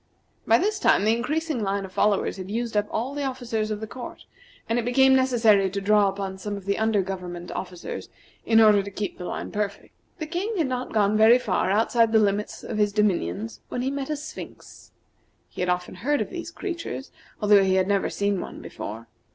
By this time the increasing line of followers had used up all the officers of the court, and it became necessary to draw upon some of the under government officers in order to keep the line perfect. The King had not gone very far outside the limits of his dominions when he met a Sphinx. He had often heard of these creatures, although he had never seen one before.